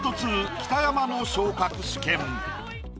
北山の昇格試験。